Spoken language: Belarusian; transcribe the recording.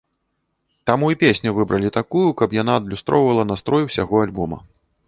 Таму і песню выбіралі такую, каб яна адлюстроўвала настрой усяго альбома.